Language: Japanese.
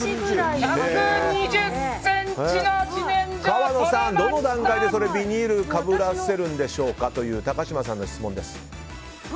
川野さん、どの段階でビニールをかぶせるんですかという高嶋さんの質問です。